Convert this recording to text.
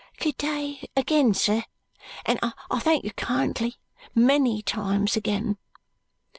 "Good day again, sir, and I thank you kindly many times again."